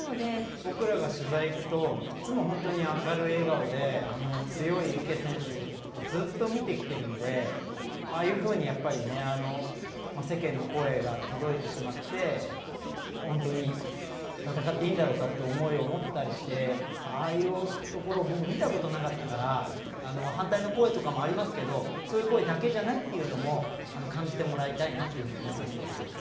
僕らが取材行くといつも本当に明るい笑顔で強い池選手をずっと見てきてるんでああいうふうに、やっぱりね世間の声が届いてしまって本当に戦っていいんだろうかって思いを持ったりしてああいうところを僕、見たことなかったから反対の声とかもありますけどそういう声だけじゃないっていうのも感じてもらいたいなっていうふうに思いますね。